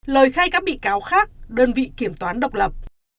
lời khai các bị cáo khác đơn vị kiểm toán độc lập